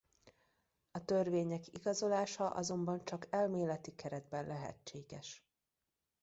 A törvények igazolása azonban csak elméleti keretben lehetséges.